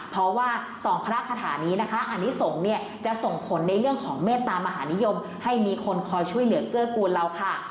เพราะว่าสองพระคาถานี้นะคะอันนี้สงฆ์เนี่ยจะส่งผลในเรื่องของเมตตามหานิยมให้มีคนคอยช่วยเหลือเกื้อกูลเราค่ะ